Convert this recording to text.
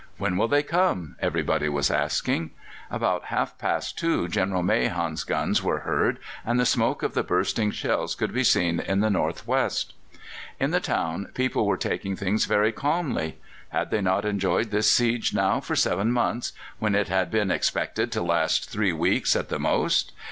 "When will they come?" everybody was asking. About half past two General Mahon's guns were heard, and the smoke of the bursting shells could be seen in the north west. In the town people were taking things very calmly. Had they not enjoyed this siege now for seven months, when it had been expected to last three weeks at the most?